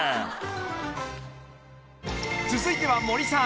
［続いては森さん］